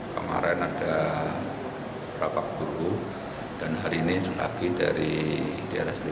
kemarin ada rapat guru dan hari ini lagi dari daerah sendiri